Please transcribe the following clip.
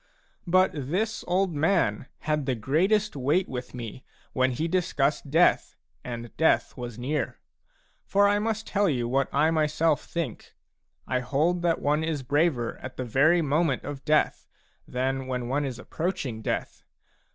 But this old man had the greatest weight with me when he discussed death and death was near. For I must tell you what I myself think : I hold that one is braver at the very moment of death than when one is approaching death.